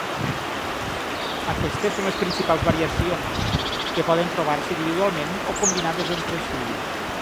Aquestes són les principals variacions, que poden trobar-se individualment o combinades entre si.